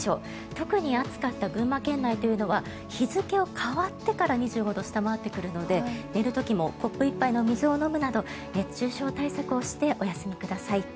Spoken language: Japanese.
特に暑かった群馬県内というのは日付が変わってから２５度を下回ってくるので寝る時もコップ１杯の水を飲むなど熱中症対策をしてお休みください。